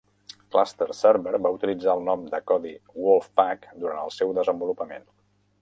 Cluster Server va utilitzar el nom de codi "Wolfpack" durant el seu desenvolupament.